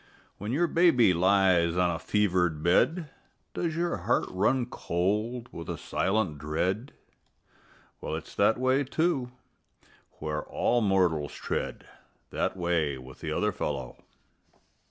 When your baby lies on a fevered bed, Does your heart run cold with a silent dread? Well, it's that way, too, where all mortals tread That way with the other fellow.